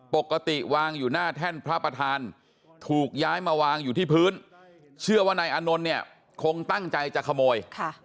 ปกติวางอยู่หน้าแท่นพระประธานถูกย้ายมาวางอยู่ที่พื้นเชื่อว่านายอานนท์เนี่ยคงตั้งใจจะขโมย